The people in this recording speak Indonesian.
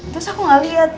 terus aku gak liat